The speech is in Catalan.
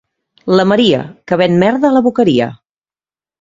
La Maria, que ven merda a la Boqueria.